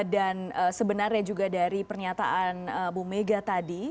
dan sebenarnya juga dari pernyataan bu mega tadi